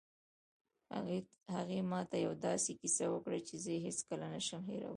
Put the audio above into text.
هغې ما ته یوه داسې کیسه وکړه چې زه یې هېڅکله نه شم هیرولی